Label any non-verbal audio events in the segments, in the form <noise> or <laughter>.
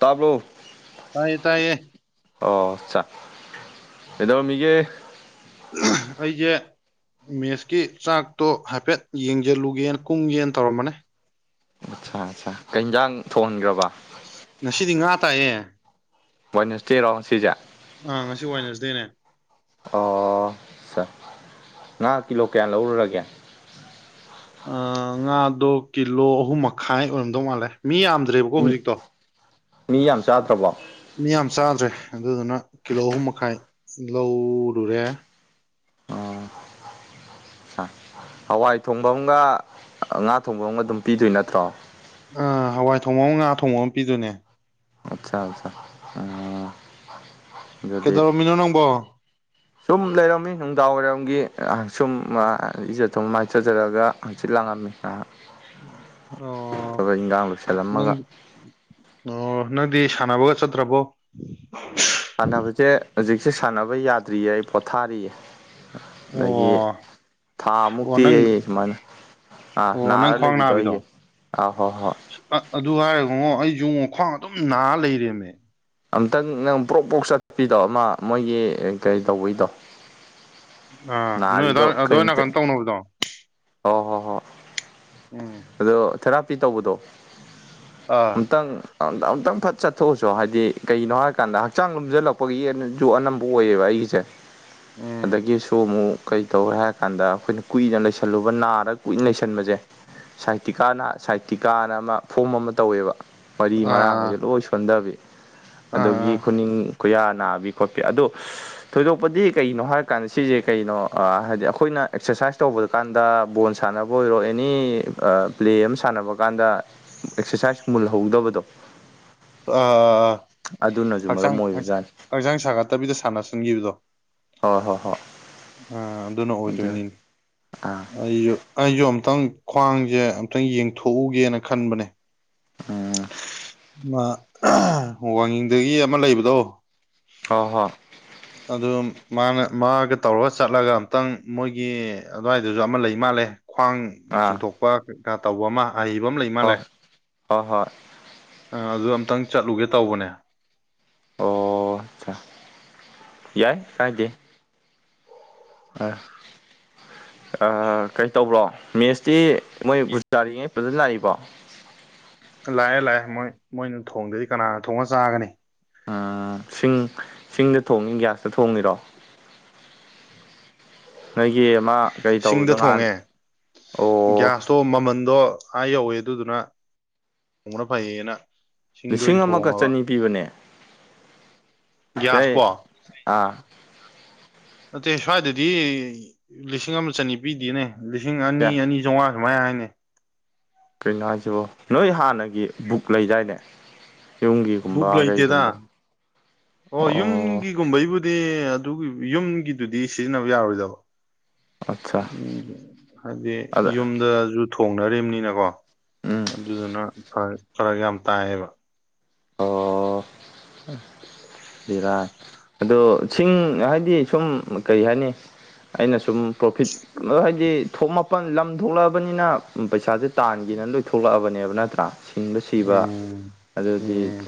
ꯇꯥꯕ꯭ꯔꯣ ꯇꯥꯏꯌꯦ ꯇꯥꯏꯌꯦ ꯑꯣꯆꯥ ꯑꯦꯗꯣ ꯃꯤꯒ ꯑꯩꯁꯦ ꯃꯦꯁꯀꯤ ꯆꯥꯛꯇꯣ ꯍꯥꯏꯐꯦꯠ ꯌꯦꯡꯁꯤꯜꯂꯨꯒꯦꯅ ꯀꯨꯝꯒꯦꯅ ꯇꯧꯔꯝꯕꯅꯦ ꯑꯠꯆꯥ ꯑꯆꯥ ꯀꯩ ꯌꯦꯟꯖꯥꯡ ꯊꯣꯡꯍꯟꯈ꯭ꯔꯕ ꯉꯁꯤꯗꯤ ꯉꯥ ꯇꯥꯏꯌꯦꯦ ꯣꯏꯅꯤꯁꯇꯤ ꯔꯣꯁꯤꯖꯥ ꯑ ꯉꯁꯤ ꯋꯥꯏ ꯅꯔꯁꯗꯦꯅꯦ ꯑꯣ ꯁꯥꯔ ꯉꯥ ꯀꯤꯂꯣ ꯀꯌꯥ ꯂꯧꯔꯨꯔꯒꯦ ꯉꯥꯗꯣ ꯀꯤꯂꯣ ꯑꯍꯨꯝ ꯃꯈꯥꯏ ꯑꯣꯏꯔꯝꯗꯧ ꯃꯥꯜꯂꯦ ꯃꯤ ꯌꯥꯝꯗ꯭ꯔꯦꯕꯀꯣ ꯃꯤ ꯍꯧꯖꯤꯛꯇꯣ ꯃꯤ ꯌꯥꯝ ꯆꯥꯗ꯭ꯔꯕꯣ ꯃꯤ ꯌꯥꯝ ꯆꯥꯗ꯭ꯔꯦ ꯑꯗꯨꯗꯨꯅ ꯀꯤꯂꯣ ꯑꯍꯨꯝ ꯃꯈꯥꯏ ꯂꯧꯔꯨꯔꯦ ꯑꯣ ꯍꯋꯥꯏ ꯊꯣꯡꯕ ꯑꯃꯒ ꯉꯥ ꯊꯣꯡꯕ ꯑꯃꯒ ꯑꯗꯨꯝ ꯄꯤꯗꯣꯏ ꯅꯠꯇ꯭ꯔꯣ ꯑ ꯍꯋꯥꯏ ꯊꯣꯡꯉꯣ ꯑꯃ ꯉꯥ ꯊꯣꯡꯉꯣ ꯑꯃ ꯄꯤꯗꯣꯏꯅꯦ ꯑꯠꯆꯥ ꯑꯆꯥ ꯑꯗꯨꯗꯤ ꯀꯩꯗꯧꯔꯝꯃꯤꯅꯣ ꯅꯪꯕꯣ ꯁꯨꯝ ꯂꯩꯔꯝꯃꯤ ꯅꯨꯡꯗꯥꯡ ꯋꯥꯏꯔꯝꯒꯤ ꯁꯨꯝ ꯏꯖ ꯊꯨꯝ ꯃꯥꯏꯊꯖꯔꯒ ꯑꯪꯆ ꯂꯉꯥ ꯃꯦꯁꯥ ꯑꯣ ꯏꯟꯈꯥꯡ ꯅꯪ ꯂꯣꯏꯁꯤꯜꯂꯝꯃꯒ ꯑꯣ ꯅꯪꯗꯤ ꯁꯥꯟꯅꯕꯒ ꯆꯠꯇ꯭ꯔꯕꯣ ꯁꯥꯟꯅꯕꯁꯦ ꯍꯧꯖꯤꯛꯁꯦ ꯁꯥꯟꯅꯕ ꯌꯥꯗ꯭ꯔꯤꯌꯦ ꯑꯩ ꯄꯣꯊꯥꯔꯤꯌꯦ ꯑꯣ ꯑꯗꯒꯤ ꯊꯥ ꯑꯣ ꯃꯨꯛꯇꯤ ꯅꯪ ꯑꯩ ꯁꯨꯃꯥꯏꯅ ꯑꯥ ꯑꯣ ꯅꯪ ꯅꯥꯔ ꯈ꯭ꯋꯥꯡ ꯅꯥꯕꯤꯗꯣ ꯂꯩꯕꯤꯗꯧꯔꯤꯒꯦ ꯑꯥ ꯍꯣꯏ ꯍꯣꯏ ꯑ ꯑꯗꯨ ꯍꯥꯏꯔꯦꯉꯣ ꯑꯩꯁꯨ ꯈ꯭ꯋꯥꯡ ꯑꯗꯨꯝ ꯅꯥꯔ ꯂꯩꯔꯦꯝꯃꯦ ꯑꯝꯇꯪ ꯅꯪ ꯄ꯭ꯔꯣꯛ ꯄꯣꯛ ꯆꯠꯄꯤꯗꯣ ꯑꯃ ꯃꯣꯏꯒꯤ ꯀꯩ ꯇꯧꯕꯩꯗꯣ ꯑꯥ ꯅꯣꯏ ꯅꯥꯔꯤꯗꯣ ꯑꯗꯨ ꯑꯣꯏꯅ ꯀꯩꯅꯣ ꯇꯧꯅꯕꯗꯣ ꯑꯣ ꯍꯣ ꯍꯣꯏ ꯎꯝ ꯑꯗꯣ ꯊꯦꯔꯥꯄꯤ ꯇꯧꯕꯗꯣ ꯑꯥ ꯑꯃꯨꯪ ꯑꯨꯛꯇꯪ ꯐꯠ ꯆꯠꯊꯣꯛꯎꯁꯨ ꯍꯥꯏꯗꯤ ꯀꯩꯅꯣ ꯍꯥꯏꯔꯀꯥꯟꯗ ꯍꯛꯆꯥꯡ ꯂꯣꯝꯁꯤꯜꯂꯛꯄꯒꯤ ꯨ ꯑꯅꯝꯕ ꯑꯣꯏꯌꯦꯕ ꯑꯩꯒꯤꯁꯦ ꯎꯝ ꯑꯗꯒꯤꯁꯨ ꯑꯃꯨꯛ ꯀꯔꯤ ꯇꯧꯔꯦ ꯍꯥꯏꯔ ꯀꯥꯟꯗ ꯑꯩꯈꯣꯏꯅ ꯀꯨꯏꯅ ꯂꯩꯁꯜꯂꯨꯕ ꯅꯥꯔ ꯀꯨꯏꯅ ꯂꯩꯁꯟꯕꯁꯦ ꯁꯥꯏꯇꯤꯀꯥꯅ ꯁꯥꯏꯇꯤꯀꯥꯅ ꯑꯃ ꯐꯣꯝ ꯑꯃ ꯇꯧꯋꯦꯕ ꯋꯥꯔꯤ ꯃꯔꯥꯡ ꯑꯥ ꯍꯥꯏꯁꯦ ꯂꯣꯏ ꯁꯣꯟꯊꯕꯤ ꯑꯥ ꯑꯥ ꯑꯗꯒꯤ ꯈꯨꯅꯤꯡ ꯈꯨꯌꯥ ꯅꯥꯕꯤ ꯈꯣꯠꯄꯤ ꯑꯗꯨꯗꯣ ꯊꯣꯏꯗꯣꯛꯄꯗꯤ ꯀꯩꯅꯣ ꯍꯥꯏꯔꯀꯥꯟꯗ ꯁꯤꯁꯦ ꯀꯩꯅꯣ ꯍꯥꯏꯗꯤ ꯑꯩꯈꯣꯏꯅ ꯑꯦꯛꯁꯔꯁꯥꯏꯁ ꯇꯧꯕꯗ ꯀꯥꯟꯗ ꯕꯣꯜ ꯁꯥꯟꯅꯕ ꯑꯣꯏꯔꯣꯩꯅ ꯑꯦꯅꯤ ꯄ꯭ꯂꯦ ꯑꯃ ꯁꯥꯟꯅꯕ ꯀꯥꯟꯗ ꯑꯦꯛꯁꯔꯁꯥꯏꯁ ꯃꯨꯜꯍꯧꯗꯕꯗꯣ ꯑ ꯑꯗꯨꯅꯁꯨ ꯍꯛꯆꯥꯡ ꯃꯔꯝ ꯑꯣꯏꯕꯖꯥꯠꯅꯤ ꯍꯛꯆꯥꯡ ꯁꯥꯒꯠꯇꯕꯤꯗ ꯁꯥꯟꯅꯁꯤꯟꯈꯤꯕꯗꯣ ꯍꯣꯏ ꯍꯣꯏ ꯍꯣꯏ ꯑ ꯑꯗꯨꯅ ꯑꯗꯨ ꯑꯣꯏꯗꯣꯏꯅꯤꯅꯦ ꯑꯥ ꯑꯩꯁꯨ ꯑꯩꯁꯨ ꯑꯨꯛꯇꯪ ꯈ꯭ꯋꯥꯡꯁꯦ ꯑꯝꯛꯇꯪ ꯌꯦꯡꯊꯣꯛꯎꯒꯦꯅ ꯈꯟꯕꯅꯦ ꯑꯥ ꯋꯥꯡꯤꯡꯗꯒꯤ ꯑꯃ ꯂꯩꯕꯗꯣ ꯍꯣꯏ ꯍꯣꯏ ꯑꯗꯨ ꯃꯥꯅ ꯃꯥꯒ ꯇꯧꯔꯒ ꯆꯠꯂꯒ ꯑꯝꯇꯪ ꯃꯣꯏꯒꯤ ꯑꯗꯨꯋꯥꯏꯗꯨꯁꯨ ꯑꯃ ꯂꯩ ꯃꯥꯜꯂꯦ ꯈ꯭ꯋꯥꯡ ꯑꯥ ꯆꯤꯡꯊꯣꯛꯄ ꯇꯧꯕ ꯑꯃ ꯑꯍꯩꯕ ꯑꯃ ꯂꯩ ꯃꯥꯜꯂꯦ ꯍꯣꯏ ꯍꯣꯏ ꯍꯣꯏ ꯑ ꯑꯗꯨ ꯑꯝꯇꯪ ꯆꯠꯂꯨꯒꯦ ꯇꯧꯕꯅꯦ ꯑꯣ ꯌꯥꯏ ꯀꯥꯏꯗ ꯑ ꯀꯩꯇꯧꯕ꯭ꯔꯣ ꯃꯦꯁꯇꯤ ꯃꯣꯏ ꯕꯨ ꯇꯥꯔꯤꯉꯩ ꯐꯖꯅ ꯂꯥꯛꯏꯕꯣ ꯂꯥꯛꯑꯦ ꯂꯥꯛꯑꯦ ꯃꯣꯏ ꯃꯣꯏꯅ ꯊꯣꯡꯗꯗꯤ ꯀꯅꯥ ꯊꯣꯡꯉ ꯆꯥꯒꯅꯤ ꯁꯤꯡ ꯁꯤꯡꯗ ꯊꯣꯡꯉꯤ ꯒ꯭ꯌꯥꯁꯇ ꯊꯣꯡꯉꯤꯔꯣ ꯅꯣꯏꯒꯤ ꯑꯃ ꯀꯩ ꯁꯤꯡꯗ ꯇꯧꯕꯗꯣ ꯅꯍꯥꯟ ꯑꯣ ꯑꯣ ꯃꯃꯟꯗꯣ ꯑꯥ ꯌꯧꯋꯦ ꯑꯗꯨꯗꯨꯅ ꯅꯣꯡꯅ ꯐꯩꯌꯦꯅ ꯁꯤꯡꯗ ꯂꯤꯁꯤꯡ ꯑꯣꯏꯅ ꯑꯃꯒ ꯊꯣꯡꯉꯕ ꯆꯅꯤ ꯄꯤꯕꯅꯦ ꯁꯤꯩ ꯒ꯭ꯌꯥꯁꯄꯣ ꯑꯥ ꯅꯠꯇꯦ ꯁ꯭ꯋꯥꯏꯗꯗꯤ ꯂꯤꯁꯤꯡ ꯑꯃ ꯆꯅꯤ ꯄꯤꯗꯦꯅꯦ ꯂꯤꯁꯤꯡ ꯑꯅꯤ ꯀꯌꯥ ꯑꯅꯤ ꯆꯥꯝꯃꯉꯥ ꯑꯗꯨꯨꯃꯥꯏ ꯍꯥꯏꯅꯤ ꯀꯩꯅꯣ ꯍꯥꯏꯁꯤꯕꯣ ꯅꯣꯏ ꯍꯥꯟꯅꯒꯤ ꯕꯨꯛ ꯂꯩꯗꯥꯏꯅꯦ ꯕꯨꯛ ꯂꯩꯇꯦꯗ ꯍꯨꯝꯒꯤꯒꯨꯝꯕꯒꯩꯒꯨꯝꯕ ꯑꯣ ꯀꯨꯝꯕꯩꯕꯨꯗꯤ ꯑꯗꯨꯒꯤ ꯌꯨꯝꯒꯤꯗꯨꯗꯤ ꯁꯤꯖꯤꯟꯅꯕ ꯌꯥꯔꯣꯏꯗꯕ ꯑꯠꯆꯥ ꯎꯝ ꯍꯥꯏꯗꯤ ꯑꯗ ꯌꯨꯝꯗꯁꯨ ꯊꯣꯡꯅꯝꯅꯤꯅꯀꯣ ꯎꯝ ꯑꯗꯨꯗꯨꯅ ꯐꯔ ꯌꯥꯝ ꯇꯥꯏꯌꯦꯕ ꯑꯣ ꯖꯤꯔꯥ ꯑꯗꯣ ꯁꯤꯡ ꯍꯥꯏꯗꯤ ꯁꯨꯝ ꯀꯩ ꯍꯥꯏꯅꯤ ꯑꯩꯅ ꯁꯨꯝ ꯄ꯭ꯔꯣꯐꯤꯠ ꯍꯥꯏꯕꯗꯤ ꯊꯣꯛꯃ ꯂꯝ ꯊꯣꯛꯂꯛꯑꯕꯅꯤꯅ ꯄꯩꯁꯥꯁꯦ ꯇꯥꯟꯒꯦꯅ ꯂꯣꯏ ꯊꯣꯛꯂꯛꯑꯕꯅꯦꯕ ꯅꯠꯇ꯭ꯔꯥ ꯁꯤꯡꯕ ꯁꯤꯕ ꯎꯝ ꯑꯗꯨ ꯎꯝ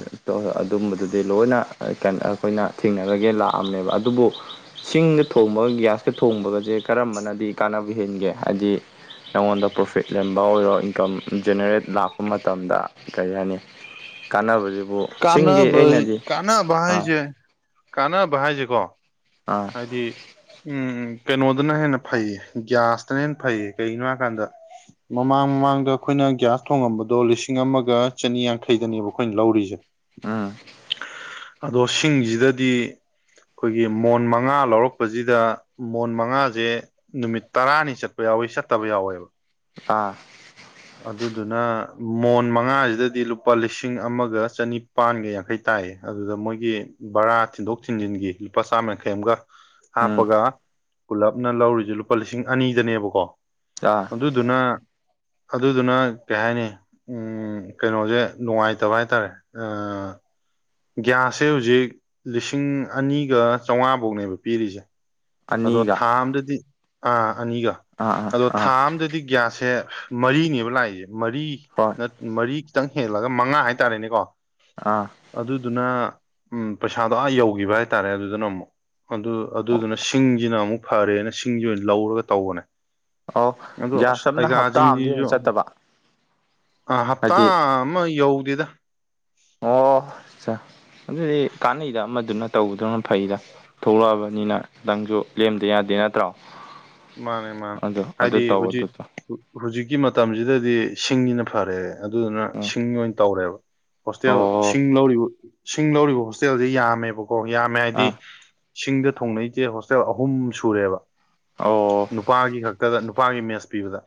ꯑꯗꯨꯝꯕꯗꯨꯗꯤ ꯂꯣꯏꯅ ꯑꯩꯈꯣꯏꯅ ꯊꯦꯡꯅꯔꯒꯦ ꯂꯥꯛꯑꯝꯅꯦꯕ ꯑꯗꯨꯕꯨ ꯁꯤꯡꯗ ꯊꯣꯡꯕꯒ ꯒ꯭ꯌꯥꯁꯀ ꯊꯣꯡꯕꯒꯁꯦ ꯀꯔꯝꯕꯅꯗꯤ ꯀꯥꯟꯅꯕ ꯍꯦꯟꯒꯦ ꯍꯥꯏꯕꯗꯤ ꯑꯩꯉꯣꯟꯗ ꯄ꯭ꯔꯣꯐꯤꯠ ꯂꯕ ꯑꯣꯏꯔꯣ ꯏꯟꯀꯝ ꯖꯦꯅꯦꯔꯦꯠ ꯂꯥꯛꯄ ꯃꯇꯝꯗ ꯀꯔꯤ ꯍꯥꯏꯅꯤ ꯀꯥꯟꯅꯕꯁꯤꯕꯨ ꯁꯤꯡꯗꯤ ꯀꯥꯟꯅꯕ ꯑꯩꯅꯗꯤ ꯀꯥꯟꯅꯕ ꯑꯥ ꯍꯥꯏꯁꯦ ꯀꯥꯟꯅꯕ ꯍꯥꯏꯁꯦꯀꯣ ꯑꯥ ꯑꯗꯤ ꯎꯝ ꯀꯩꯅꯣꯗꯅ ꯍꯦꯟꯅ ꯐꯩꯌꯦ ꯒ꯭ꯌꯥꯁꯇꯅ ꯍꯦꯟꯅ ꯐꯩꯌꯦ ꯀꯩꯒꯤꯅꯣ ꯍꯥꯏꯀꯥꯟꯗ ꯃꯃꯥꯡ ꯃꯃꯥꯡꯗ ꯑꯩꯈꯣꯏꯅ ꯒ꯭ꯌꯥꯁ ꯊꯣꯡꯉꯝꯕꯗꯣ ꯂꯤꯁꯤꯡ ꯑꯃꯒ ꯆꯅꯤ ꯌꯥꯡꯈꯩꯗꯅꯦꯕ ꯑꯩꯈꯣꯏꯅ ꯂꯧꯔꯤꯁꯦ ꯎꯝ ꯑꯗꯣ ꯁꯤꯡꯁꯤꯗꯗꯤ ꯑꯩꯈꯣꯏꯒꯤ ꯃꯣꯟ ꯃ ꯃꯉꯥ ꯂꯧꯔꯛꯄꯁꯤꯗ ꯃꯣꯟ ꯃꯉꯥꯁꯦ ꯅꯨꯃꯤꯠ ꯇꯔꯥꯅꯤ ꯆꯠꯄ ꯌꯥꯎꯋꯤ ꯆꯠꯇꯕ ꯌꯥꯎꯋꯦꯕ ꯑ ꯑꯗꯨꯗꯨꯅ ꯃꯣꯟ ꯃꯉꯥꯁꯤꯗꯗꯤ ꯂꯨꯄꯥ ꯂꯤꯁꯤꯡ ꯑꯃꯒ ꯆꯅꯤ ꯄꯥꯟꯒ ꯌꯥꯡꯈꯩ ꯇꯥꯏ ꯑꯗꯨꯗ ꯃꯣꯏꯒꯤ ꯕꯔꯥ ꯊꯤꯟꯗꯣꯛ ꯊꯤꯟꯖꯤꯟꯒꯤ ꯂꯨꯄꯥ ꯆꯥꯝꯃ ꯌꯥꯡꯈꯩ ꯑꯃꯒ ꯎꯝ ꯍꯥꯞꯄꯒ ꯄꯨꯂꯞꯅ ꯂꯧꯔꯤꯁꯦ ꯂꯨꯄꯥ ꯂꯤꯁꯤꯡ ꯑꯅꯤꯗꯅꯦꯕꯀꯣ ꯆꯥ ꯑꯗꯨꯗꯨꯅ ꯑꯗꯨꯗꯨꯅ ꯀꯩ ꯍꯥꯏꯅꯤ ꯀꯩꯅꯣꯁꯦ ꯅꯨꯡꯉꯥꯏꯇꯕ ꯍꯥꯏꯇꯥꯔꯦ ꯒ꯭ꯌꯥꯁꯁꯦ ꯍꯧꯖꯤꯛ ꯂꯤꯁꯤꯡ ꯑꯅꯤꯒ ꯆꯥꯝꯃꯉꯥꯐꯧꯅꯦꯕ ꯄꯤꯔꯤꯁꯦ ꯑꯗꯣ ꯑꯅꯤꯒ ꯊꯥ ꯑꯝꯗꯗꯤ ꯑꯥ ꯑꯅꯤꯒ ꯑꯥ ꯑꯥ ꯑꯗꯣ ꯑꯥ ꯊꯥ ꯑꯝꯗꯗꯤ ꯒ꯭ꯌꯥꯁꯁꯦ ꯃꯔꯤꯅꯦꯕ ꯂꯥꯛꯏꯁꯦ ꯃꯔꯤ ꯍꯣꯏ ꯅ ꯃꯔꯤ ꯈꯤꯇꯪ ꯍꯦꯜꯂꯒ ꯃꯉꯥ ꯍꯥꯏꯇꯥꯔꯦꯅꯦꯀꯣ ꯑꯥ ꯑꯗꯨꯗꯨꯅ ꯎꯝ ꯄꯩꯁꯥꯗꯣ ꯑꯥ ꯌꯧꯈꯤꯕ ꯍꯥꯏꯇꯥꯔꯦ ꯑꯗꯨꯗꯨꯅ ꯑꯃꯨꯛ ꯑꯗꯨ ꯑꯗꯨꯗꯨꯅ ꯁꯤꯡꯁꯤꯅ ꯑꯃꯨꯛ ꯐꯔꯦꯅ ꯁꯤꯡꯁꯤ ꯑꯣꯏꯅ ꯂꯧꯔꯒ ꯇꯧꯕꯅꯦ ꯑꯣ ꯑ ꯑꯁ ꯒ꯭ꯌꯥꯁ ꯑꯃꯅ ꯍꯞꯇꯥ ꯑꯝꯗ ꯍꯦꯟꯅ ꯑꯩꯩꯒꯥꯁꯤꯡꯁꯤꯁꯨ ꯆꯠꯇꯕ ꯑ ꯍꯞꯇꯥ ꯍꯥꯏꯗꯤ ꯑꯃ ꯌꯧꯗꯗ ꯑꯣ ꯑꯗꯨꯗꯤ ꯀꯥꯟꯅꯩꯗ ꯑꯃꯗꯨꯅ ꯇꯧꯕꯗꯨꯅ ꯐꯩꯗ ꯊꯣꯛꯂꯛꯑꯕꯅꯤꯅ ꯈꯤꯇꯪꯁꯨ ꯂꯦꯝꯗ ꯌꯥꯗꯦ ꯅꯠꯇ꯭ꯔꯣ ꯃꯥꯅꯦ ꯃꯥꯅꯦ ꯑꯗꯣ ꯑꯗꯨ ꯍꯥꯏꯗꯤ ꯇꯧ ꯑꯗꯨ ꯍꯧꯖꯤꯛ ꯇꯧ ꯍꯧꯖꯤꯛꯀꯤ ꯃꯇꯝꯁꯤꯗꯗꯤ ꯁꯤꯡꯁꯤꯅ ꯐꯔꯦ ꯑꯗꯨꯗꯨꯅ ꯎꯝ ꯁꯤꯡ ꯑꯣꯏꯅ ꯇꯧꯔꯦꯕ ꯍꯣꯁꯇꯦꯜ ꯑꯣ ꯁꯤꯡ ꯂꯧꯔꯤꯕ ꯁꯤꯡ ꯂꯧꯔꯤꯕ ꯍꯣꯁꯇꯦꯜꯁꯦ ꯌꯥꯝꯃꯦꯕꯀꯣ ꯌꯥꯝꯃꯦ ꯍꯥꯏꯗꯤ ꯑꯥ ꯁꯤꯡꯗ ꯊꯣꯡꯅꯩꯁꯦ ꯍꯣꯁꯇꯦꯜ ꯑꯍꯨꯝ ꯁꯨꯔꯦꯕ ꯑꯣ ꯅꯨꯄꯥꯒꯤ ꯈꯛꯇꯗ ꯅꯨꯄꯥꯒꯤ ꯃꯦꯖ ꯄꯤꯕꯗ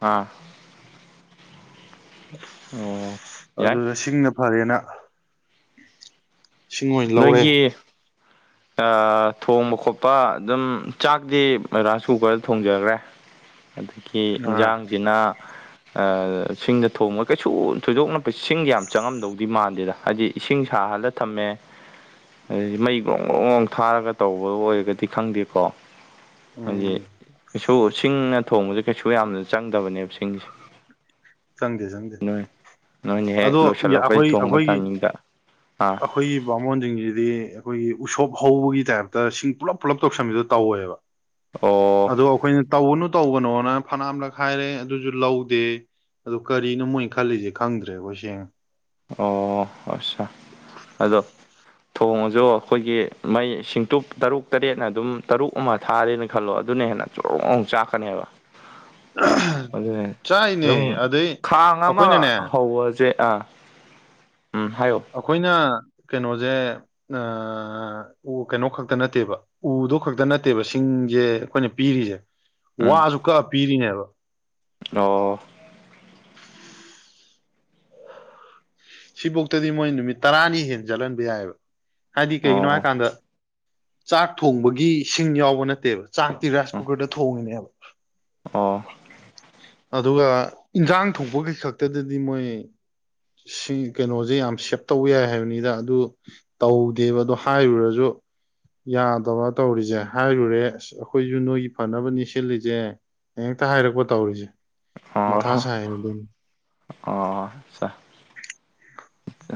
ꯍꯥꯥ ꯑꯣ ꯌꯥꯏ ꯑꯗꯨꯗ ꯁꯤꯡꯅ ꯐꯔꯦꯅ ꯁꯤꯡ ꯑꯣꯏꯅ ꯂꯧꯔꯦ ꯅꯣꯏꯒꯤ ꯊꯣꯡꯕ ꯈꯣꯠꯄ ꯑꯗꯨꯝ ꯆꯥꯛꯇꯤ ꯔꯥꯏꯁ ꯀꯨꯀꯔꯗ ꯊꯣꯡꯖꯈ꯭ꯔꯦ ꯑꯗꯒꯤ ꯑꯥ ꯏꯟꯁꯥꯡꯁꯤꯅ ꯁꯤꯡꯗ ꯊꯣꯡꯕ ꯀꯩꯁꯨ ꯊꯣꯏꯗꯣꯛꯅ ꯁꯤꯡꯒ ꯌꯥꯝ ꯆꯪꯉꯝꯗꯧꯗꯤ ꯃꯥꯟꯗꯦꯗ ꯍꯥꯏꯗꯤ ꯏꯁꯤꯡ ꯁꯥꯍꯜꯂ ꯊꯝꯃꯦ ꯑꯗꯩꯗꯤ ꯃꯩ ꯣꯡꯒ꯭ꯔꯣꯡꯒ꯭ꯔ ꯊꯥꯔꯒ ꯇꯧꯕ ꯑꯣꯏꯔꯒꯗꯤ ꯈꯪꯗꯦꯀꯣ ꯍꯥꯏ ꯎꯝ ꯀꯩꯁꯨ ꯁꯤꯡꯅ ꯊꯣꯡꯕꯁꯦ ꯀꯩꯁꯨ ꯌꯥꯝꯅ ꯆꯪꯗꯕꯅꯦꯕ ꯁꯤꯡꯁꯦ ꯆꯪꯗꯦ ꯆꯪꯗꯦ ꯅꯣꯏ ꯅꯣꯏꯅꯦ ꯍꯦꯛ ꯑꯗꯣ ꯂꯣꯏꯁꯤꯜꯂꯛꯄꯩ ꯑꯩꯈꯣꯏ ꯊꯣꯡꯕ ꯑꯩꯈꯣꯏꯒꯤ ꯇꯥꯏꯅꯤꯡꯡꯗ ꯑꯥ ꯑꯩꯈꯣꯏꯒꯤ ꯕꯥꯃꯣꯟꯁꯤꯡꯁꯤꯗꯤ ꯑꯩꯈꯣꯏꯒꯤ ꯎꯁꯣꯞ ꯍꯧꯕꯒꯤ ꯇꯥꯏꯞꯇ ꯁꯤꯡ ꯄꯨꯂꯞ ꯄꯨꯂꯞ ꯇꯧꯁꯟꯕꯤꯗ ꯇꯧꯋꯦꯕ ꯑꯣ ꯑꯣ ꯑꯩꯈꯣꯏꯅ ꯇꯧꯅꯨ ꯇꯧꯕꯅꯣꯅ ꯐꯅꯝꯂꯛ ꯍꯥꯏꯥꯏꯔꯦ ꯑꯗꯨꯁꯨ ꯂꯧꯗꯦ ꯑꯣ ꯀꯔꯤꯅꯣ ꯃꯣꯏꯅ ꯈꯜꯂꯤꯁꯦ ꯈꯪꯗ꯭ꯔꯦꯕꯣꯏ ꯁꯦꯡꯅ ꯑꯣ ꯑꯁꯥ ꯑꯗꯣ ꯊꯣꯡ ꯑꯁꯨ ꯑꯩꯈꯣꯏꯒꯤ ꯃꯩ ꯁꯤꯡꯇꯨꯞ ꯇꯔꯨꯛ ꯇꯔꯦꯠꯅ ꯑꯗꯨꯝ ꯇꯔꯨꯛ ꯑꯃ ꯊꯥꯔꯦꯅ ꯈꯜꯂꯣ ꯑꯗꯨꯅ ꯍꯦꯟꯅ ꯆꯣꯡꯣꯡ ꯆꯥꯛꯀꯅꯤ ꯍꯥꯏꯕ ꯑꯗꯨ ꯆꯥꯏꯅꯦ ꯑꯗꯨꯝ ꯑꯗꯩ ꯈꯥꯡ ꯑꯃ ꯑꯩꯈꯣꯏꯅꯅꯦ ꯍꯧꯕꯁꯦ ꯑꯥ ꯎꯝ ꯍꯥꯏꯌꯣ ꯑꯩꯈꯣꯏꯅ ꯀꯩꯅꯣꯁꯦ ꯀꯩꯅꯣ ꯈꯛꯇ ꯅꯠꯇꯦꯕ ꯎꯗꯣ ꯈꯛꯇ ꯅꯠꯇꯦꯕ ꯁꯤꯡꯁꯦ ꯑꯩꯈꯣꯏꯅ ꯄꯤꯔꯤꯁꯦ ꯎꯝ ꯋꯥꯁꯨ ꯀꯛꯑ ꯄꯤꯔꯤꯅꯦꯕ ꯑꯣ ꯁꯤꯐꯣꯛꯇꯗꯤ ꯃꯣꯏ ꯅꯨꯃꯤꯠ ꯇꯔꯥꯅꯤ ꯍꯦꯟꯟꯅ ꯆꯠꯍꯟꯕ ꯌꯥꯏꯑꯕ ꯍꯥꯏꯗꯤ ꯑꯣ ꯀꯩꯒꯤꯅꯣ ꯍꯥꯏꯀꯥꯟꯗ ꯆꯥꯛ ꯊꯣꯡꯕꯒꯤ ꯏꯁꯤꯡ ꯌꯥꯎꯕ ꯅꯠꯇꯦꯕ ꯆꯥꯛꯇꯤ ꯔꯥꯏꯁ ꯎꯝ ꯀꯨꯀꯔꯗ ꯊꯣꯡꯉꯤꯅꯦꯕ ꯑꯣ ꯑꯗꯨꯒ ꯏꯟꯖꯥꯡ ꯊꯣꯛꯄꯒꯤꯩ ꯈꯛꯇꯗꯗꯤ ꯃꯣꯏ ꯁꯤ ꯀꯩꯅꯣꯁꯦ ꯌꯥꯝ ꯁꯦꯞ ꯇꯧꯕ ꯌꯥꯏ ꯍꯥꯏꯕꯅꯤꯗ ꯑꯗꯨ ꯇꯧꯗꯦꯕ ꯑꯗꯨꯣ ꯍꯥꯏꯔꯨꯔꯁꯨ ꯌꯥꯗꯕ ꯇꯧꯔꯤꯁꯦ ꯍꯥꯏꯔꯨꯔꯦ ꯑꯁ ꯑꯩꯈꯣꯏꯁꯨ ꯅꯣꯏꯒꯤ ꯐꯅꯕꯅꯤ ꯁꯤꯜꯂꯤꯁꯦ ꯍꯌꯦꯦꯛꯇ ꯍꯥꯏꯔꯛꯄ ꯇꯧꯔꯤꯁꯦ ꯑꯣ ꯃꯊꯥ ꯁꯥꯏ ꯑꯗꯨꯅꯤ ꯑꯣ ꯑꯠꯆꯥ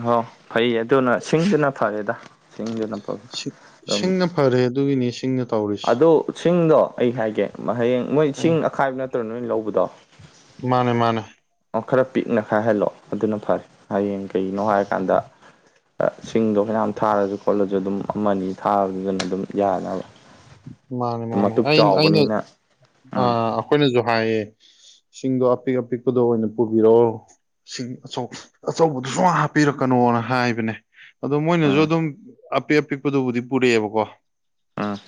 ꯍꯣ ꯐꯩꯌꯦ ꯑꯗꯨꯅ ꯁꯤꯡꯗꯨꯅ ꯐꯔꯦꯗ ꯊꯁꯤꯡꯗꯅ ꯁꯤꯡꯅ ꯐꯔꯦ ꯑꯗꯨꯒꯤꯅꯤ ꯁꯤꯡꯅ ꯇꯧꯔꯤꯁꯤ ꯑꯗꯨ ꯁꯤꯡꯗꯣ ꯑꯩ ꯍꯥꯏꯒꯦ ꯍꯌꯦꯡ ꯃꯣꯏ ꯁꯤꯡ ꯎꯝ ꯑꯈꯥꯏꯕ ꯅꯠꯇ꯭ꯔꯣ ꯅꯣꯏ ꯂꯧꯕꯗꯣ ꯃꯥꯅꯦ ꯃꯥꯅꯦ ꯑꯣ ꯈꯔ ꯄꯤꯛꯅ ꯈꯥꯏꯍꯜꯂꯣ ꯑꯗꯨꯅ ꯐꯔꯦ ꯍꯌꯦꯡꯒꯤ ꯀꯩꯅꯣ ꯍꯥꯏꯔꯀꯥꯟꯗ ꯁꯤꯡꯗꯣ ꯍꯩꯅ ꯊꯥꯔꯁꯨ ꯈꯣꯠꯂꯁꯨ ꯑꯗꯨꯝ ꯑꯃꯅꯤ ꯊꯥꯕꯗꯨꯗꯅ ꯑꯗꯨꯝ ꯌꯥꯅꯕ ꯃꯥꯅꯦ ꯑꯗꯨꯝ ꯃꯥꯅꯦ ꯑ ꯃꯇꯨꯞ ꯑꯩꯅ ꯆꯥꯎꯕꯅꯤꯅ ꯑ ꯎꯝ ꯑꯩꯈꯣꯏꯅꯁꯨ ꯍꯥꯏꯌꯦ ꯁꯤꯡꯗꯣ ꯑꯄꯤꯛ ꯑꯄꯤꯛꯄꯗꯣ ꯑꯣꯏꯅ ꯄꯨꯕꯤꯔꯛꯑꯣ ꯁꯤꯡ ꯑꯆ ꯑꯆꯧꯕꯗꯨ ꯁꯨꯡ ꯍꯥꯞꯄꯤꯔꯛꯀꯅꯣꯅ ꯍꯥꯏꯕꯅꯦ ꯑꯗꯣ ꯃꯣꯏꯅꯁꯨ ꯎꯝ ꯑꯗꯨꯝ ꯑꯄꯤ ꯑꯄꯤꯛꯄꯗꯨꯕꯨꯗꯤ ꯄꯨꯔꯛꯑꯦꯕꯀꯣ ꯎꯝ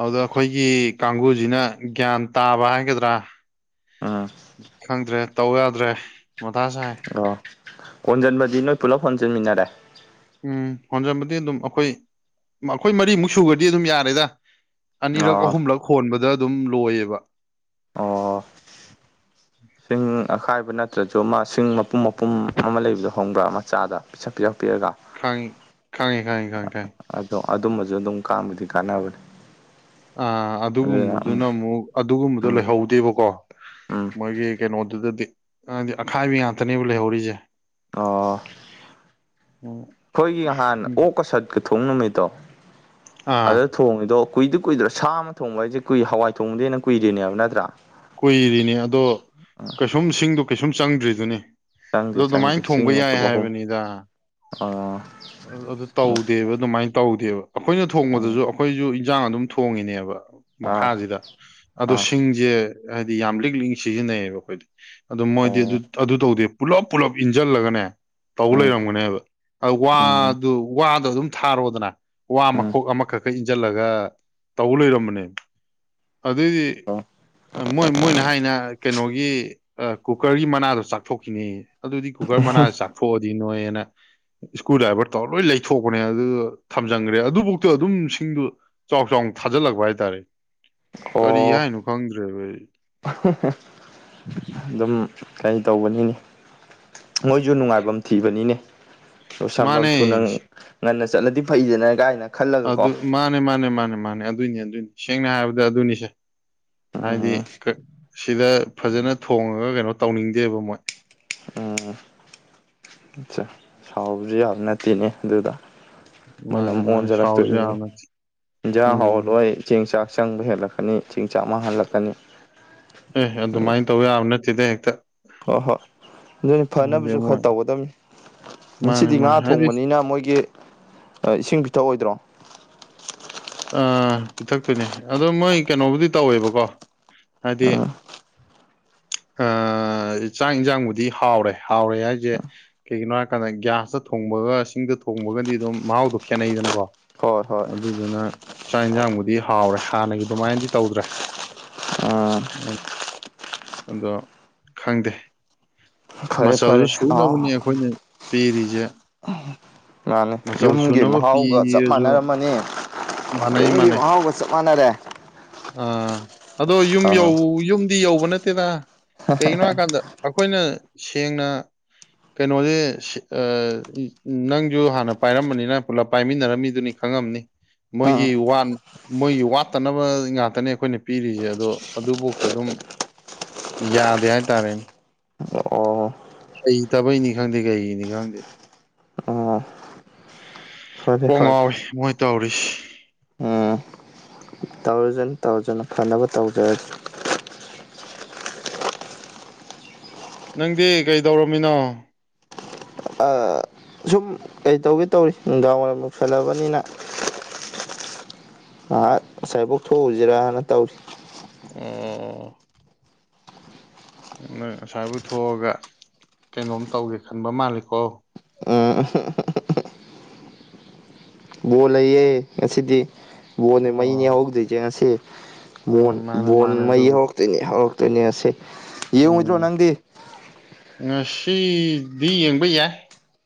ꯑꯗꯨꯗ ꯑꯩꯈꯣꯏꯒꯤ ꯀꯥꯡꯕꯨꯨꯁꯤꯅ ꯒ꯭ꯌꯥꯟ ꯇꯥꯕ ꯍꯥꯏꯒꯗ꯭ꯔꯥ ꯎꯝ ꯈꯪꯗ꯭ꯔꯦ ꯇꯧ ꯌꯥꯗ꯭ꯔꯦ ꯃꯥ ꯁꯥꯏ ꯑꯣ ꯀꯣꯟꯁꯤꯟꯕꯗꯤ ꯅꯣꯏ ꯄꯨꯂꯞ ꯍꯣꯟ ꯆꯟꯃꯤꯟꯅꯔꯦ ꯎꯝ ꯍꯣꯟꯖꯃꯗꯤ ꯑꯗꯨꯝ ꯑꯩꯈꯣꯏ ꯑꯩꯈꯣꯏ ꯃꯔꯤꯃꯨꯛ ꯁꯨꯈ꯭ꯔꯗꯤ ꯑꯗꯨꯝ ꯌꯥꯔꯦꯗ ꯑꯅꯤꯔꯛ ꯑꯣ ꯑꯍꯨꯝꯂꯛ ꯍꯣꯟꯕꯗ ꯑꯗꯨꯝ ꯂꯣꯏꯌꯦꯕ ꯑꯣ ꯁꯤꯡ ꯑꯈꯥꯏꯕ ꯅꯠꯇ꯭ꯔꯁꯨ ꯑꯃ ꯁꯤꯡ ꯃꯄꯨꯝ ꯃꯄꯨꯝ ꯑꯃ ꯂꯩꯕꯗꯣ ꯈꯪꯕ꯭ꯔꯥ ꯃꯆꯥꯗ ꯄꯤꯁꯛ ꯄꯤꯁꯛ ꯄꯤꯛꯑꯒ ꯈꯪꯉꯤ ꯈꯪꯉꯦ ꯈꯪꯉꯦ ꯈꯪꯉꯦ ꯈꯪꯉꯦ ꯑꯗꯣ ꯑꯗꯨꯝꯕꯁꯨ ꯑꯗꯨꯝ ꯀꯥꯟꯕꯨꯗꯤ ꯀꯥꯟꯅꯕꯅꯦ ꯑ ꯑꯗꯨꯒꯨꯝꯕꯗꯨꯅ ꯑꯃꯨꯛ ꯑꯗꯨꯒꯨꯝꯕꯗꯣ ꯎꯝ ꯂꯩꯍꯧꯗꯦꯕꯀꯣ ꯎꯝ ꯃꯣꯏꯒꯤ ꯀꯩꯅꯣꯗꯨꯗꯗꯤ ꯑꯈꯥꯏꯕꯤ ꯉꯥꯛꯇꯅꯦꯕ ꯂꯩꯍꯧꯔꯤꯁꯦ ꯑꯣ ꯎꯝ ꯑꯩꯈꯣꯏꯒꯤ ꯅꯍꯥꯟꯅ ꯑꯣꯛꯀ ꯁꯠꯀ ꯊꯣꯡ ꯅꯨꯃꯤꯠꯇꯣ ꯑꯥ ꯑꯗꯨ ꯊꯣꯡꯉꯤꯗꯣ ꯀꯨꯏꯗꯤ ꯀꯨꯏꯗ꯭ꯔꯣ ꯁꯥ ꯑꯃ ꯊꯣꯡꯕ ꯍꯥꯏꯁꯦ ꯀꯨꯏ ꯍꯋꯥꯏ ꯊꯣꯡꯕꯗꯩ ꯍꯦꯟꯅ ꯀꯨꯏꯔꯤꯅꯦꯕ ꯅꯠꯇ꯭ꯔꯥ ꯀꯨꯏꯔꯤꯅꯤ ꯑꯗꯣ ꯀꯩꯁꯨꯝ ꯁꯤꯡꯗꯣ ꯀꯩꯁꯨꯝ ꯆꯪꯗ꯭ꯔꯤꯗꯨꯅꯦ ꯆꯪꯗꯦ ꯑꯗꯣ ꯗꯨꯃꯥꯏ ꯆꯪꯗꯦ ꯊꯣꯡꯕ ꯌꯥꯏ ꯍꯥꯏꯕꯅꯤꯗ ꯑꯣ ꯑꯗꯨ ꯇꯧꯗꯦꯕ ꯑꯗꯨꯃꯥꯏꯅ ꯇꯧꯗꯦꯕ ꯑꯩꯈꯣꯏꯅ ꯑꯣ ꯊꯣꯡꯕꯗꯁꯨ ꯑꯩꯈꯣꯏꯁꯨ ꯏꯟꯁꯥꯡ ꯑꯗꯨꯝ ꯊꯣꯡꯉꯤꯅꯦꯕ ꯑꯥ ꯃꯈꯥꯁꯤꯗ ꯑꯗꯣ ꯑꯥ ꯁꯤꯡꯁꯦ ꯍꯥꯏꯗꯤ ꯌꯥꯝ ꯂꯤꯛ ꯂꯤꯛ ꯁꯤꯖꯤꯟꯅꯩꯌꯦꯕ ꯑꯩꯈꯣꯏꯗꯤ ꯑꯗꯨ ꯃꯣꯏꯗꯤ ꯑꯣ ꯑꯗꯨ ꯇꯧꯗꯦ ꯄꯨꯜꯂꯞ ꯄꯨꯜꯂꯞ ꯏꯟꯁꯤꯜꯂꯒꯅꯦ ꯇꯧ ꯂꯩꯔꯝꯒꯅꯦꯕ ꯑꯗꯨ ꯎꯝ ꯎꯝ ꯋꯥꯗꯨ ꯋꯥꯗꯨ ꯑꯗꯨꯝ ꯊꯥꯔꯣꯗꯅ ꯋꯥ ꯎꯝ ꯃꯈꯣꯛ ꯑꯃꯈꯛꯀ ꯏꯟꯁꯤꯜꯂꯒ ꯇꯧ ꯂꯩꯔꯝꯕꯅꯦ ꯑꯗꯩꯗꯤ <unintelligible> ꯃꯣꯏ ꯃꯣꯏꯅ ꯍꯥꯏꯅ ꯀꯩꯅꯣꯒꯤ ꯀꯨꯀꯔꯒꯤ ꯃꯅꯥꯗꯣ ꯆꯥꯛꯊꯣꯛꯈꯤꯌꯦ ꯑꯗꯨꯗꯤ ꯀꯨꯀꯔ ꯃꯅꯥꯁꯦ ꯆꯥꯛꯊꯣꯛꯑꯗꯤ ꯅꯣꯏꯅ ꯏꯁꯀ꯭ꯔꯨ ꯗ꯭ꯔꯥꯏꯚꯔ ꯇꯧꯔ ꯂꯣꯏ ꯂꯩꯊꯣꯛꯄꯅꯦ ꯑꯗꯨ ꯊꯝꯖꯤꯟꯈ꯭ꯔꯦ ꯑꯗꯨꯐꯧꯗꯣ ꯑꯗꯨꯝ ꯁꯤꯡꯗꯨ ꯆꯥꯎ ꯆꯥꯎꯅ ꯊꯥꯖꯤꯜꯂꯛꯄ ꯍꯥꯏꯇꯥꯔꯦ ꯀꯔꯤ ꯑꯣ ꯍꯥꯏꯅꯣ ꯈꯪꯗ꯭ꯔꯦꯕ ꯑꯩ ꯑꯗꯨꯝ ꯀꯩ ꯇꯧꯕꯅꯤꯅꯤ ꯃꯣꯏꯁꯨ ꯅꯨꯡꯉꯥꯏꯐꯝ ꯊꯤꯕꯅꯤꯅꯦ ꯂꯣꯏꯁꯐꯝ ꯃꯥꯅꯦ ꯊꯨꯅꯪ ꯉꯟꯅ ꯆꯠꯂꯗꯤ ꯐꯩꯗꯅ ꯀꯥꯏꯅ ꯈꯜꯂꯒꯀꯣ ꯑꯗꯨ ꯃꯥꯅꯦ ꯃꯥꯅꯦ ꯃꯥꯅꯦ ꯃꯥꯅꯦ ꯑꯗꯨꯏꯅꯦ ꯑꯗꯨꯏꯅꯦ ꯁꯦꯡꯅ ꯍꯥꯏꯔꯕꯗ ꯑꯗꯨꯅꯤꯁꯦ ꯍꯥꯏꯗꯤ ꯎꯝ ꯁꯤꯗ ꯐꯖꯅ ꯊꯣꯡꯉꯒ ꯀꯩꯅꯣ ꯇꯧꯅꯤꯡꯗꯦꯕ ꯃꯣꯏ ꯑꯆꯥ <unintelligible> ꯁꯥꯎꯕꯁꯨ ꯌꯥꯕ ꯅꯠꯇꯤꯅꯦ ꯑꯗꯨꯗ ꯃꯣꯏꯅ ꯃꯥꯅꯦ ꯃꯨꯛ ꯃꯥꯅꯦ ꯑꯣꯟꯖꯜꯂꯛꯇꯣꯏ ꯁꯥꯎꯁꯨ ꯌꯥꯕ ꯅꯠꯇꯦ ꯏꯟꯖꯥꯡ ꯎꯝ ꯍꯥꯎꯍꯜꯂꯣꯏ ꯆꯦꯡ ꯆꯥꯛ ꯆꯪꯕ ꯍꯦꯜꯂꯛꯀꯅꯤ ꯆꯦꯡ ꯆꯥꯛ ꯃꯥꯡꯍꯜꯂꯛꯀꯅꯤ ꯑꯦ ꯑꯗ ꯑꯗꯨꯃꯥꯏꯅ ꯇꯧ ꯌꯥꯕ ꯅꯠꯇꯦꯗ ꯍꯦꯛꯇ ꯍꯣꯏ ꯍꯣꯏ ꯑꯗꯨꯅꯤ ꯍꯥꯏꯗꯤ ꯐꯅꯕꯁꯨ ꯃꯣꯏ ꯈꯔ ꯇꯧꯒꯗꯕꯅꯤ ꯃꯥꯅꯦ ꯉꯁꯤꯗꯤ ꯃꯥꯅꯦ ꯉꯥ ꯍꯥꯏꯗꯤ ꯊꯣꯡꯕꯅꯤꯅ ꯃꯣꯏꯒꯤ ꯏꯁꯤꯡ ꯄꯤꯊꯛꯑꯣꯏꯗ꯭ꯔꯣ ꯑ ꯄꯤꯊꯛꯇꯣꯏꯅꯦ ꯑꯗꯣ ꯃꯣꯏ ꯀꯩꯅꯣꯕꯨꯗꯤ ꯇꯧꯋꯦꯕꯀꯣ ꯍꯥꯗꯤ ꯎꯝ ꯆꯥꯛ ꯌꯦꯟꯁꯥꯡꯕꯨꯗꯤ ꯍꯥꯎꯔꯦ ꯍꯥꯎꯔꯦ ꯍꯥꯏꯁꯦ ꯀꯩꯒꯤꯅꯣ ꯍꯥꯏꯔꯀꯥꯟꯗ ꯒ꯭ꯌꯥꯁꯇ ꯊꯣꯡꯕꯒ ꯁꯤꯡꯗ ꯊꯣꯡꯕꯒꯗꯤ ꯑꯗꯨꯝ ꯃꯍꯥꯎꯗꯣ ꯈꯦꯠꯅꯩꯗꯅꯀꯣ ꯍꯣꯏ ꯍꯣꯏ ꯑꯗꯨꯗꯨꯅ ꯆꯥꯛ ꯌꯦꯟꯁꯥꯡꯕꯨꯗꯤ ꯍꯥꯎꯔꯦ ꯍꯥꯟꯅꯒꯤ ꯑꯗꯨꯃꯥꯏꯅꯗꯤ ꯇꯧꯗ꯭ꯔꯦ ꯎꯝ ꯑꯗꯣ ꯈꯪꯗꯦ ꯐꯔꯦ ꯃꯆꯜꯁꯨ ꯐꯔꯦ ꯁꯨꯅꯕꯅꯤ ꯑꯥꯎ ꯑꯩꯈꯣꯏꯅ ꯄꯤꯔꯤꯁꯦ ꯃꯥꯅꯦ ꯃꯆꯜ ꯌꯨꯝꯒꯤ ꯁꯨꯅꯕ ꯃꯍꯥꯎꯒ ꯆꯞ ꯄꯤꯔꯁꯨ ꯃꯥꯟꯅꯔꯝꯃꯅꯤ ꯃꯥꯟꯅꯩ ꯌꯨꯝꯒꯤ ꯃꯥꯟꯅꯩ ꯃꯍꯥꯎꯒ ꯆꯞ ꯃꯥꯟꯅꯔꯦ ꯑ ꯑꯗꯣ ꯌꯨꯝ ꯌꯧ ꯑꯥ ꯌꯨꯝ ꯗꯤ ꯌꯧꯕ ꯅꯠꯇꯦꯗ ꯀꯩꯒꯤꯅꯣ ꯍꯥꯏꯀꯥꯟꯗ ꯑꯩꯈꯣꯏꯅ ꯁꯦꯡꯅ ꯀꯩꯅꯣꯁꯦ ꯁꯦ ꯑ ꯅꯪꯁꯨ ꯍꯥꯟꯅ ꯄꯥꯏꯔꯝꯕꯅꯤꯅ ꯄꯨꯂꯞ ꯄꯥꯏꯃꯤꯟꯅꯔꯝꯃꯤꯗꯨꯅꯤ ꯈꯪꯉꯝꯅꯤ ꯎꯝ ꯃꯣꯏꯒꯤ ꯋꯥꯟ ꯃꯣꯏꯒꯤ ꯋꯥꯠꯇꯅꯕ ꯉꯥꯛꯇꯅꯦ ꯑꯩꯈꯣꯏꯅ ꯄꯤꯔꯤꯁꯦ ꯑꯗꯣ ꯑꯗꯨꯕꯨꯛꯇꯥ ꯑꯗꯨꯝ ꯌꯥꯗꯦ ꯍꯥꯏꯇꯥꯔꯦꯅꯦ ꯑꯣ ꯍꯩꯇꯥꯕꯩꯅꯤ ꯈꯪꯗꯦ ꯀꯩꯅꯤ ꯈꯪꯗꯦ ꯑꯣ ꯐꯔꯦ ꯀꯣꯡ ꯐꯔꯦ ꯉꯥꯎꯔꯦ ꯃꯣꯏ ꯇꯧꯔꯤꯁ ꯎꯝ ꯇꯧꯔꯖꯅꯨ ꯇꯧꯔꯖꯅꯨ ꯐꯅꯕ ꯇꯧꯖꯔꯁ ꯅꯪꯗꯤ ꯀꯩꯗꯧꯔꯝꯃꯤꯅꯣ ꯑꯥ ꯁꯨꯝ ꯀꯩꯇꯧꯒꯦ ꯇꯧꯔꯤ ꯅꯨꯡꯗꯥꯡ ꯋꯥꯏꯔꯝ ꯌꯧꯁꯜꯂꯕꯅꯤꯅ ꯉꯍꯥꯛ ꯑꯁꯥꯏꯕꯣꯛ ꯊꯣꯛꯎꯁꯤꯔꯅ ꯇꯧꯔꯤ ꯎꯝ ꯑꯣ ꯅꯣꯏ ꯑꯁꯥꯏꯕꯨꯛ ꯊꯣꯛꯑꯒ ꯀꯩꯅꯣꯝ ꯇꯧꯒꯦ ꯈꯟꯕ ꯃꯥꯜꯂꯤꯀꯣ ꯎꯝ ꯕꯣꯜ ꯂꯩꯌꯦ ꯉꯁꯤꯗꯤ ꯕꯣꯟꯅꯦ ꯑꯣ ꯃꯩꯅꯦ ꯍꯧꯗ꯭ꯣꯏꯁꯦ ꯉꯁꯤ ꯎ ꯕꯣꯟ ꯃꯥꯅꯦ ꯕꯣꯟ ꯃꯥꯅꯦ ꯃꯩ ꯑꯗꯨꯕꯨꯗꯤ ꯍꯧꯔꯛꯇꯣꯏꯅꯦ ꯍꯧꯔꯛꯇꯣꯏꯅꯦ ꯑꯁꯦ ꯎꯝ ꯉꯁꯤꯗꯤ ꯌꯦꯡꯕ ꯌꯥꯏ